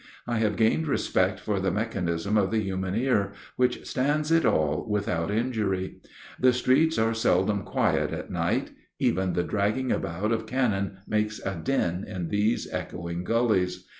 I have gained respect for the mechanism of the human ear, which stands it all without injury. The streets are seldom quiet at night; even the dragging about of cannon makes a din in these echoing gullies.